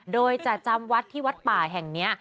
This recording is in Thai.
โดยจะจำวัดที่วัดป่าแห่งนี้